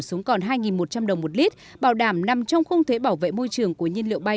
xuống còn hai một trăm linh đồng một lít bảo đảm nằm trong khung thuế bảo vệ môi trường của nhiên liệu bay